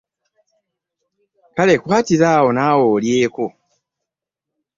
Kale kwatira awo naawe olyeko.